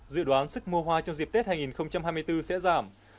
dự đoán sức mua hoa trong dịp tết hai nghìn hai mươi bốn sẽ giảm